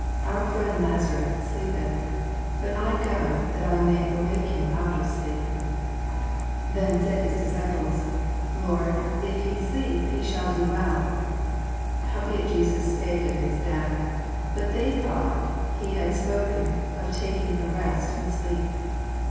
Our friend Lasarussleepeth; but I go, that I may awake him out of sleep. 12 Then said his disciples, Lord, if he sleep, he shali do well. 13 HowbeitJesusspake of his death: but they thought that he had spoken of talcing of rest in sleep.